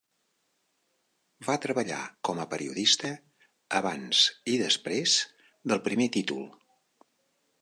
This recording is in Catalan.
Va treballar com a periodista abans i després del primer títol.